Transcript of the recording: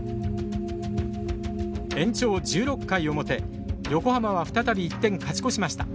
延長１６回表横浜は再び１点勝ち越しました。